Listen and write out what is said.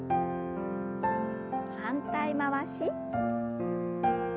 反対回し。